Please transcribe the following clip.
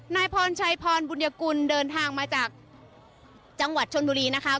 นายพรชัยพรบุญยกุลเดินทางมาจากจังหวัดชนบุรีนะคะ